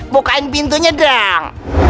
bukain pintunya dong